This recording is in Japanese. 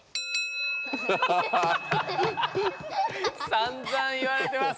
さんざん言われてます。